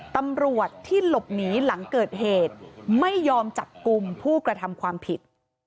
ตำรวจที่หลบหนีหลังเกิดเหตุไม่ยอมจับกลุ่มผู้กระทำความผิด